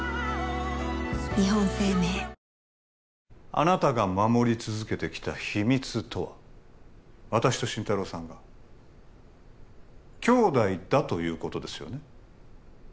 あなたが守り続けてきた秘密とは私と心太朗さんが兄弟だということですよね？